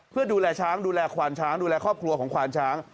เพื่อดูแลช้างดูแลควานช้างดูแลครอบครัวของควานช้าง